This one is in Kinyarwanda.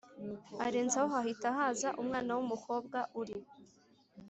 arenzaho hahita haza umwana wumukobwa uri